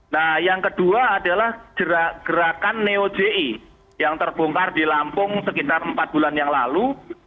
nah yang kedua adalah gerakan neo ji yang terbongkar di lampung sekitar empat bulan yang lalu